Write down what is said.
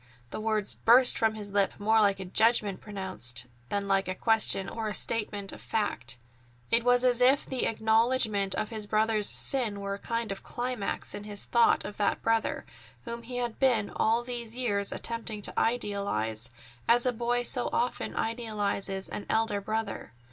The words burst from his lips more like a judgment pronounced than like a question or a statement of fact. It was as if the acknowledgment of his brother's sin were a kind of climax in his thought of that brother, whom he had been all these years attempting to idealize, as a boy so often idealizes an elder brother.